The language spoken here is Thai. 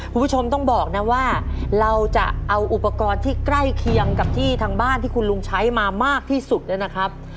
คุณผู้ชมต้องบอกนะว่าเราจะเอาอุปกรณ์ที่ใกล้เคียงกับที่ทางบ้านที่คุณลุงใช้มามากที่สุดนะครับ